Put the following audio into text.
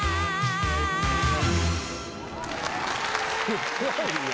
すごいな。